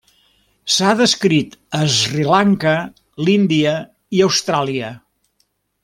S'ha descrit a Sri Lanka, l'Índia i Austràlia.